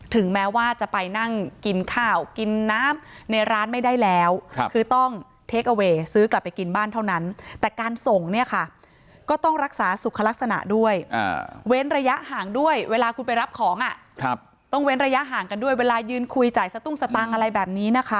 แม้ว่าจะไปนั่งกินข้าวกินน้ำในร้านไม่ได้แล้วคือต้องเทคอเวย์ซื้อกลับไปกินบ้านเท่านั้นแต่การส่งเนี่ยค่ะก็ต้องรักษาสุขลักษณะด้วยเว้นระยะห่างด้วยเวลาคุณไปรับของต้องเว้นระยะห่างกันด้วยเวลายืนคุยจ่ายสตุ้งสตังค์อะไรแบบนี้นะคะ